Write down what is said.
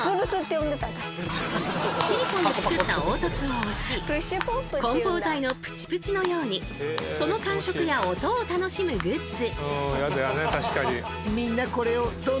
シリコンで作った凹凸を押し梱包材のプチプチのようにその感触や音を楽しむグッズ。